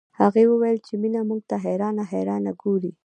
هغې وويل چې مينه موږ ته حيرانه حيرانه ګوري